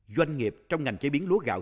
doanh nghiệp trong ngành chế biến lúa gạo